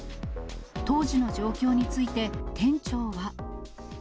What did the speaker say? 当時の状況について、店長は。